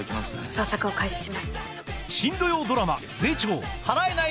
捜索を開始します。